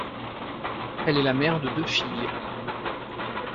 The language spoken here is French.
Elle est la mère de deux filles.